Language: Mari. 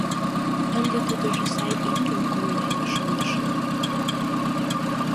Ынде тудыжо сай имньым конден, шонышым.